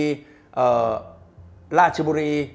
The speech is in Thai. ธรรมดิราชบุรี